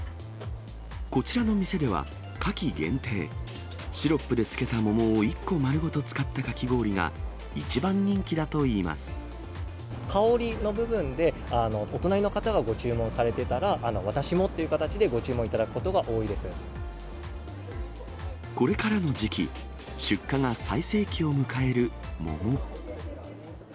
こちらの店では、夏季限定、シロップで漬けた桃を１個丸ごと使ったかき氷が、一番人気だとい香りの部分で、お隣の方がご注文されてたら、私もっていう形でご注文いただくこれからの時期、出荷が最盛期を迎える桃。